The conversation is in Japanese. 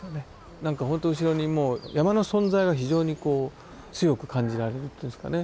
何かほんと後ろにもう山の存在が非常にこう強く感じられるっていうんですかね